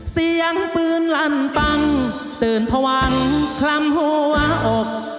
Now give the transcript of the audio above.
เสียงปืนลั่นปังตื่นพวังคล้ำหัวอก